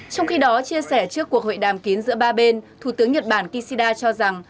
trong khi đó chia sẻ trước cuộc hội đàm kiến giữa ba bên thủ tướng nhật bản kishida cho rằng